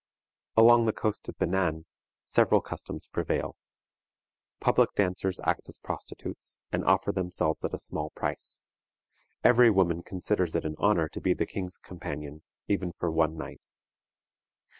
Along the coast of Benin similar customs prevail. Public dancers act as prostitutes, and offer themselves at a small price. Every woman considers it an honor to be the king's companion, even for one night.